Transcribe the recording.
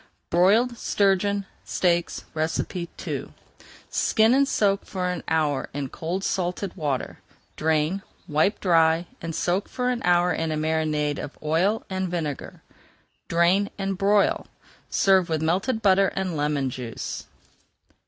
BROILED STURGEON STEAKS II Skin and soak for an hour in cold salted [Page 402] water. Drain, wipe dry, and soak for an hour in a marinade of oil and vinegar. Drain and broil. Serve with melted butter and lemon juice.